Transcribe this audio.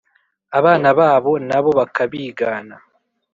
abana babo na bo bakabigana.